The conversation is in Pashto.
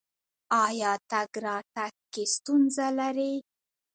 ایا تګ راتګ کې ستونزه لرئ؟